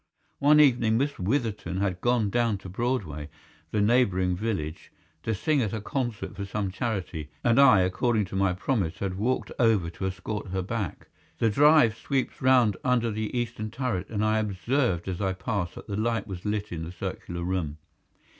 One evening Miss Witherton had gone down to Broadway, the neighbouring village, to sing at a concert for some charity, and I, according to my promise, had walked over to escort her back. The drive sweeps round under the eastern turret, and I observed as I passed that the light was lit in the circular room.